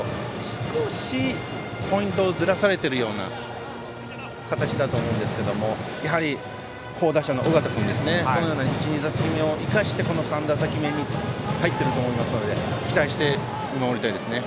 少し、ポイントをずらされているような形だと思うんですけどやはり好打者の緒方君１打席目、２打席目を生かして、この３打席目に入ってくると思いますので期待して、見守りたいですね。